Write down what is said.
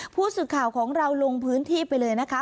ผู้สื่อข่าวของเราลงพื้นที่ไปเลยนะคะ